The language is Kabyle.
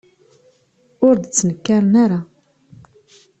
Ur d-ttnekkaren ara.